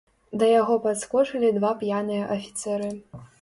Да яго падскочылі два п'яныя афіцэры.